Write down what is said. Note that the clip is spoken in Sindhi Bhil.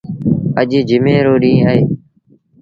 اَڄ جمي رو ڏيٚݩهݩ اهي۔